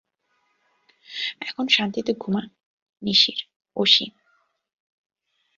এখন শান্তিতে ঘুমা, নিশির অসি।